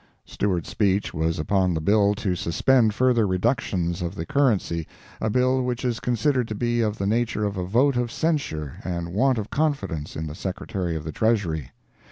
Stewart's speech was upon the bill to suspend further reductions of the currency, a bill which is considered to be of the nature of a vote of censure and want of confidence in the Secretary of the Treasury.